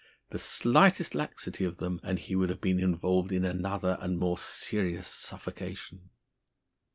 The slightest laxity with them and he would have been involved in another and more serious suffocation.